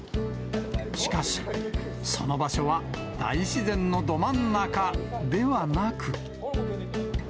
しかし、その場所は大自然のど真ん中ではなく。